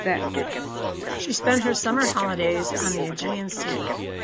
She spent her summer holidays on the Aegean Sea.